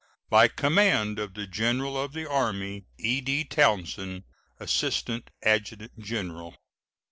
By command of the General of the Army: E.D. TOWNSEND, Assistant Adjutant General.